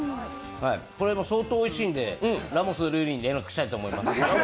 これ相当おいしいので、ラモス瑠偉に連絡したいと思います。